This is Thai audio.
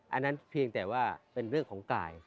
อันนั้นเพียงแต่ว่าเป็นเรื่องของกาย